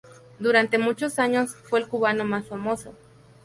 Durante muchos años fue el cubano más famoso.